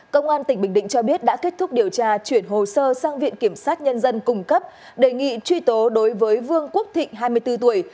công an tỉnh bình định cho biết đã kết thúc điều tra chuyển hồ sơ sang viện kiểm sát nhân dân cung cấp đề nghị truy tố đối với vương quốc thịnh hai mươi bốn tuổi